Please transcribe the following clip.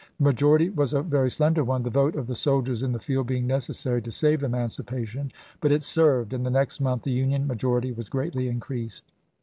The majority was a very slender one, the vote of the soldiers in the field being necessary to save emancipation ; but it served, and the next month the Union majority was greatly increased.